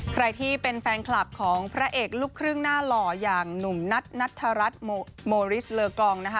ใครที่เป็นแฟนคลับของพระเอกลูกครึ่งหน้าหล่ออย่างหนุ่มนัทนัทธรัฐโมริสเลอกองนะคะ